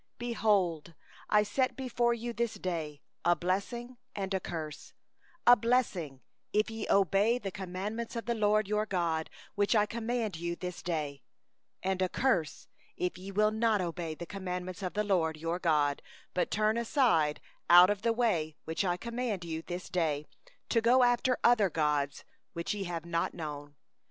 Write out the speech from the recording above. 26Behold, I set before you this day a blessing and a curse: 27the blessing, if ye shall hearken unto the commandments of the LORD your God, which I command you this day; 28and the curse, if ye shall not hearken unto the commandments of the LORD your God, but turn aside out of the way which I command you this day, to go after other gods, which ye have not known.